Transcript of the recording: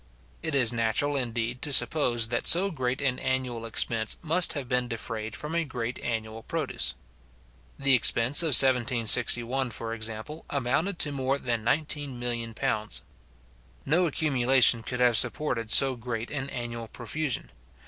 It is natural, indeed, to suppose, that so great an annual expense must have been defrayed from a great annual produce. The expense of 1761, for example, amounted to more than £19,000,000. No accumulation could have supported so great an annual profusion.